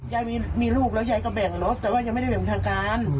อยากกล้าบ้าน